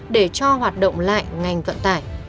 để cho hoạt động lại ngành vận tải